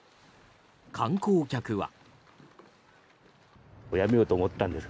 観光客は。